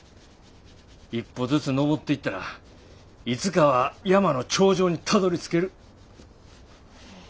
一歩ずつ登っていったらいつかは山の頂上にたどりつける。